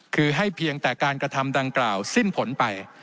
คือให้เพียงแต่การกระทำดังกล่าวสิ้นผลไป